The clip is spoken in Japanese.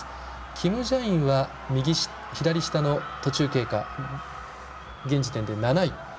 キム・ジャインは左下の途中経過現時点で７位。